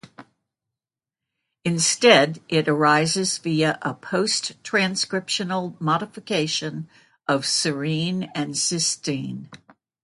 Instead it arises via a post transcriptional modification of serine and cysteine.